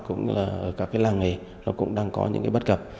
cũng như là các làng này cũng đang có những bất cập